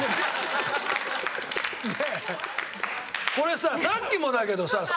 これささっきもだけどさ１個！